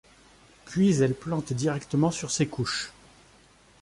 Puis elle plante directement sur ces couches.